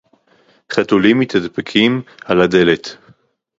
חֲתוּלִים מִתְדַּפְּקִים עַל הַדֶּלֶת